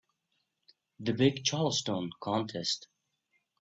The big Charleston contest.